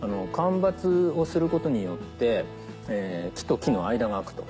間伐をすることによって木と木の間が空くと。